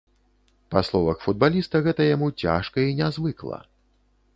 Па словах футбаліста, гэта яму цяжка і нязвыкла.